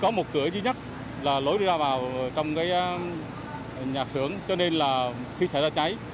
có một cửa duy nhất là lối đi ra vào trong nhà xưởng cho nên là khi xảy ra cháy